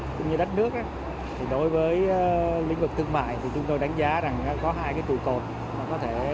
cũng như đất nước đối với lĩnh vực thương mại chúng tôi đánh giá rằng có hai cụ cột có thể